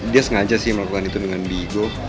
dia sengaja sih melakukan itu dengan diego